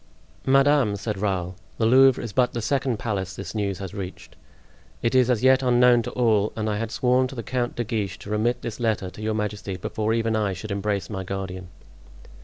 "Madame," said Raoul, "the Louvre is but the second palace this news has reached; it is as yet unknown to all, and I had sworn to the Count de Guiche to remit this letter to your majesty before even I should embrace my guardian."